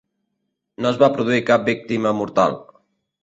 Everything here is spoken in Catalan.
No es va produir cap víctima mortal.